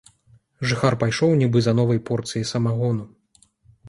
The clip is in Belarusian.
Жыхар пайшоў нібы за новай порцыяй самагону.